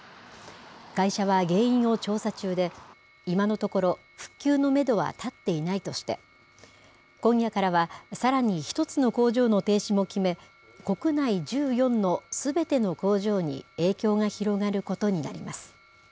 会社は原因を調査中で、今のところ、復旧のメドは立っていないとして、今夜からはさらに１つの工場の停止も決め、国内１４のすべての工場に影響が広がることになります。